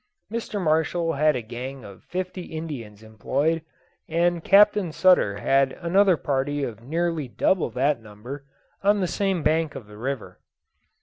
Mr. Marshall had a gang of fifty Indians employed, and Captain Sutter had another party of nearly double that number, on the same bank of the river.